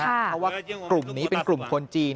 เพราะว่ากลุ่มนี้เป็นกลุ่มคนจีน